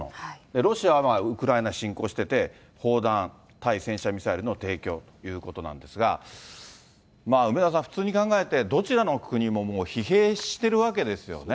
ロシアはウクライナ侵攻してて、砲弾、対戦車ミサイルの提供ということなんですが、梅沢さん、普通に考えて、どちらの国ももう疲弊しているわけですよね。